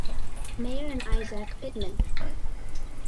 Mayor and Isaac Pitman.